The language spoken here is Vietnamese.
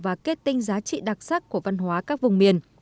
và kết tinh giá trị đặc sắc của văn hóa các vùng miền